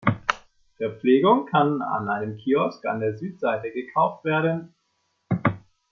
Verpflegung kann an einem Kiosk an der Südseite gekauft werden.